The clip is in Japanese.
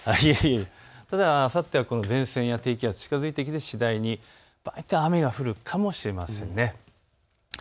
ただあさってはこの前線や低気圧、近づいてきて次第に、場合によっては雨が降るかもしれません。